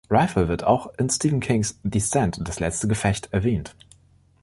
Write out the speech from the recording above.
Rifle wird auch in Stephen Kings „The Stand – Das letzte Gefecht“ erwähnt.